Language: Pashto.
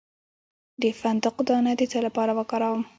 د فندق دانه د څه لپاره وکاروم؟